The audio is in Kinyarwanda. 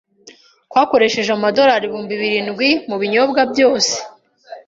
Twakoresheje amadorari ibihumbi birindwi mubinyobwa byose.